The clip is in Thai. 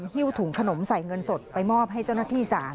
หิ้วถุงขนมใส่เงินสดไปมอบให้เจ้าหน้าที่ศาล